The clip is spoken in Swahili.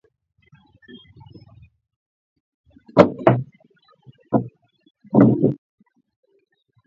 Na mwaka uliofuata, elfu moja mia tisa sitini na saba , Idhaa ya Kiswahili ya Sauti ya Amerika ilizindua matangazo ya moja kwa moja kutoka studio zake mjini Washington DC